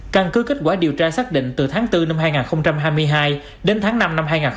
căn cứ kết quả điều tra xác định từ tháng bốn năm hai nghìn hai mươi hai đến tháng năm năm hai nghìn hai mươi ba